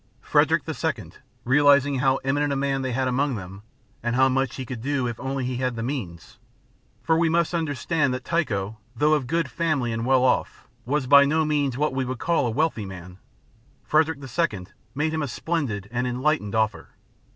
Frederick II., realizing how eminent a man they had among them, and how much he could do if only he had the means for we must understand that Tycho, though of good family and well off, was by no means what we would call a wealthy man Frederick II. made him a splendid and enlightened offer.